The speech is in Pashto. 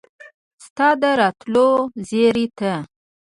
ستا د راتلو زیري ته